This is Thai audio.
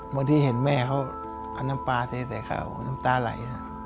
บางทีเห็นแม่เขาน้ำปลาเทะข้าวน้ำตาไหล